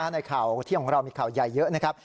ในข่าวเที่ยงของเรามีข่าวใหญ่เยอะนะครับ